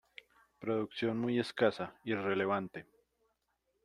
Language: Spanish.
Producción muy escasa, irrelevante.